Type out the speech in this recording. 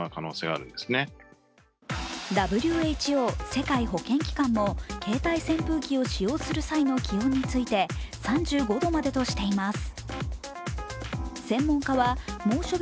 ＷＨＯ＝世界保健機関も携帯扇風機を使用する際の気温について３５度までとしています。